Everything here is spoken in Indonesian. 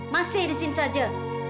masih di sini saja